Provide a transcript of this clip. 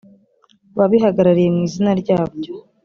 ababihagarariye mu izina ryabyo